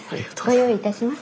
ご用意いたします。